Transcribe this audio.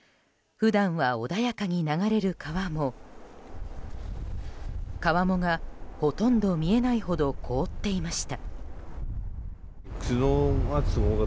普段は穏やかに流れる川も川面が、ほとんど見えないほど凍っていました。